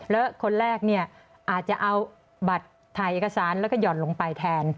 แล้วคนแรกอาจจะเอาบัตรไทยอักษรแล้วก็หย่อนลงไปแทน